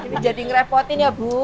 ini jadi ngerepotin ya bu